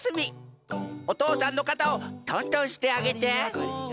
おとうさんのかたをとんとんしてあげて。